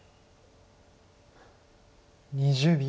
２０秒。